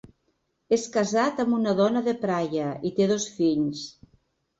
És casat amb una dona de Praia i té dos fills.